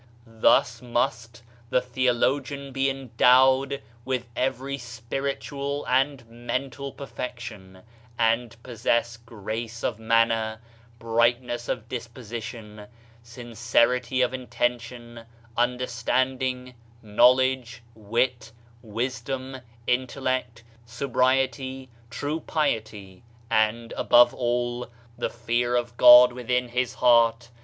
Thus must the theologian be endowed with every spiritual and mental perfection, and possess grace of manner, brightness of disposition, sincerity of intention, understanding, knowledge, wit, wisdom, intellect, sobriety, true piety, and, above all, the fear of God within his heart.